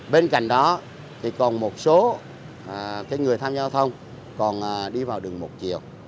bên cạnh đó thì còn một số người tham gia giao thông còn đi vào đường một chiều